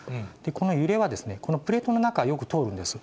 この揺れは、このプレートの中、よく通るんです。